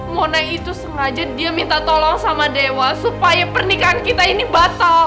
monai itu sengaja dia minta tolong sama dewa supaya pernikahan kita ini batal